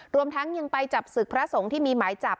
รวมทั้งยังไปจับศึกพระสงฆ์ที่มีหมายจับ